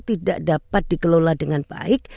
tidak dapat dikelola dengan baik